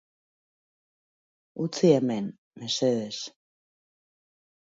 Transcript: Utzi hemen, mesedez.